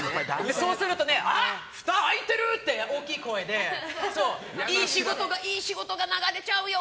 そうすると、ふた開いてる！って大きい声でいい仕事が流れちゃうよ！